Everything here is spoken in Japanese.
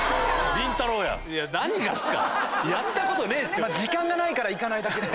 何がっすか⁉時間がないから行かないだけで。